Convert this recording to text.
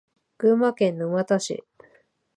群馬県沼田市